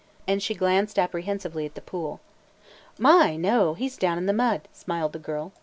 and she glanced apprehensively at the pool. "My, no! He 's down in the mud," smiled the girl.